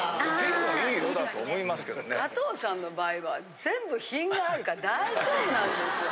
加藤さんの場合は全部品があるから大丈夫なんですよ。